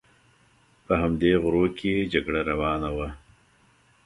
په همدې غرو کې جګړه روانه وه.